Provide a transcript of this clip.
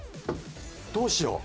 どうしよう？